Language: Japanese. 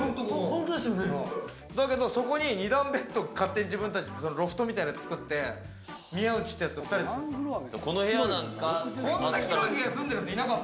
だけどそこに２段ベッドを勝手に自分たちでロフトみたいに作って、宮内ってやつと２人で住んでた。